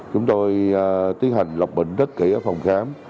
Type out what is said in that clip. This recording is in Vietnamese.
chúng tôi tiến hành lọc bệnh rất kỹ ở phòng khám